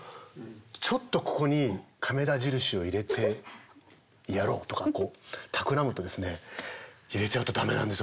ちょっとここに亀田印を入れてやろうとかたくらむとですね入れちゃうと駄目なんです。